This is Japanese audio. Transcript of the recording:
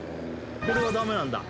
これは駄目なんだ。